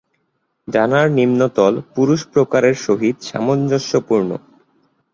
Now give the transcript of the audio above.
ডানার নিম্নতল পুরুষ প্রকারের সহিত সামঞ্জস্যপূর্ণ।